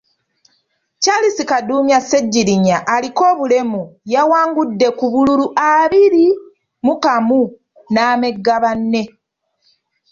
Charles Kadumya Sseggiriinya aliko obulemu yawangudde ku bululu abiri mu kamu n’amegga banne.